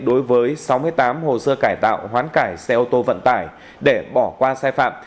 đối với sáu mươi tám hồ sơ cải tạo hoán cải xe ô tô vận tải để bỏ qua sai phạm